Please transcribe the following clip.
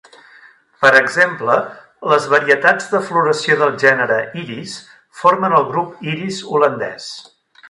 Per exemple, les varietats de floració del gènere "iris" formen el grup "iris" holandès.